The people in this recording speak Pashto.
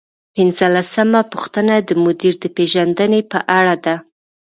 پنځلسمه پوښتنه د مدیر د پیژندنې په اړه ده.